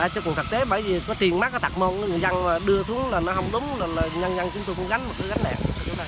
cho cuộc thực tế bởi vì có tiền mắc có tạc môn nhân dân đưa xuống là nó không đúng nhân dân chúng tôi cũng gắn một cái gắn đẹp